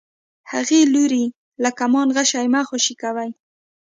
هغې لورې له کمانه غشی مه خوشی کوئ.